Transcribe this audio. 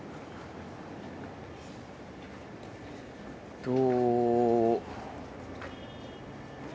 えっと。